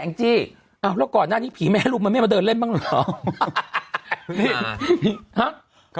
จี้อแล้วก่อนหน้านี้ผีแม่ลูกมันไม่มาเดินเล่นบ้างเหรอ